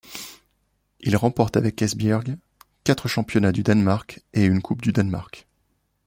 Il remporte avec Esbjerg quatre championnats du Danemark, et une Coupe du Danemark.